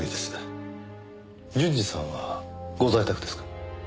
純次さんはご在宅ですか？